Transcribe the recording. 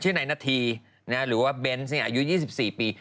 นายนาธีหรือว่าเบนส์อายุ๒๔ปี